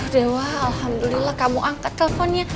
dewa alhamdulillah kamu angkat teleponnya